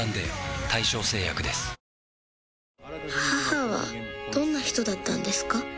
母はどんな人だったんですか？